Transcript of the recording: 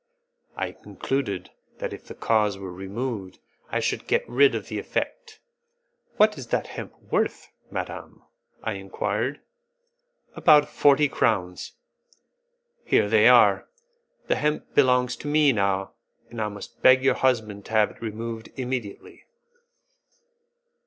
I concluded that if the cause were removed, I should get rid of the effect. "What is that hemp worth, madam?" I enquired. "About forty crowns." "Here they are; the hemp belongs to me now, and I must beg your husband to have it removed immediately."